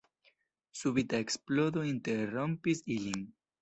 Subita eksplodo interrompis ilin.